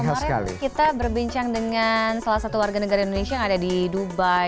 kemarin kita berbincang dengan salah satu warga negara indonesia yang ada di dubai